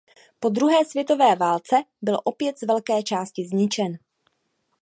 Po druhé světové válce byl opět z velké části zničen.